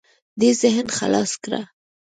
دې ذهن خلاص کړه.